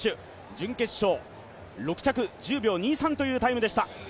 準決勝、６着１０秒２３というタイムでした。